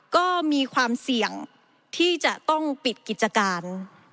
ก็มีความเสี่ยงที่จะต้องปิดกิจการ